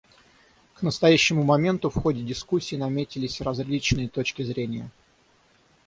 К настоящему моменту в ходе дискуссий наметились различные точки зрения.